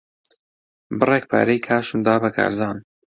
بڕێک پارەی کاشم دا بە کارزان.